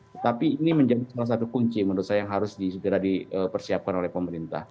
tetapi ini menjadi salah satu kunci menurut saya yang harus segera dipersiapkan oleh pemerintah